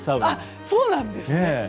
そうなんですね。